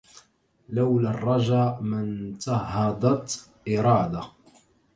لولا الرجا ما انتهضت إرادة